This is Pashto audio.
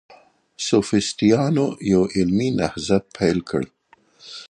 سوفسطائيانو يو علمي نهضت پيل کړ.